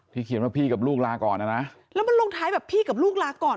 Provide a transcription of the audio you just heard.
เขียนว่าพี่กับลูกลาก่อนนะนะแล้วมันลงท้ายแบบพี่กับลูกลาก่อน